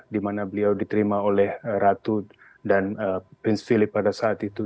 di mana beliau diterima oleh ratu dan prince philip pada saat itu